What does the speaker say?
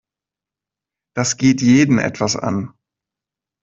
Das geht jeden etwas an.